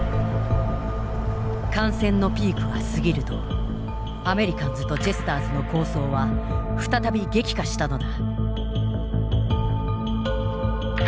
感染のピークが過ぎるとアメリカンズとジェスターズの抗争は再び激化したのだ。